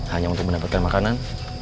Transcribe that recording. hanya untuk mendapatkan makanan